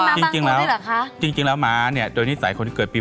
อ๋อแสดงว่ามันมากเกินไป